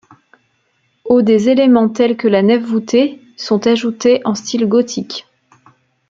Au des éléments tel que la nef voûtée sont ajoutés en style gothique.